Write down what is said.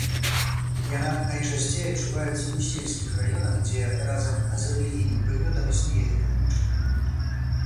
Яна найчасцей адчуваецца ў сельскіх раёнах, дзе разам з рэлігійным прыгнётам існуе эканамічны.